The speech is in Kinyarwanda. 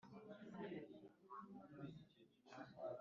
sengoga aburonkana ingoga,